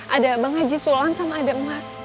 ada bang haji sulam sama ada empat